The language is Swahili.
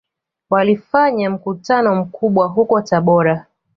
Walifanya mkutano mkubwa huko Tabora